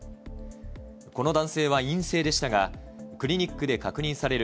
この男性は陰性でしたが、クリニックで確認される